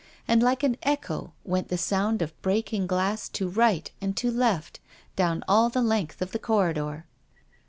And like an echo went the sound of breaking glass to right and to left down all the length of the corridor.